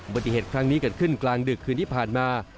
ปฏิเหตุครั้งนี้เกิดขึ้นกลางดึกคืนที่ผ่านมา